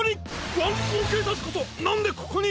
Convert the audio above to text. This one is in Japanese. ワンコロけいさつこそなんでここに！？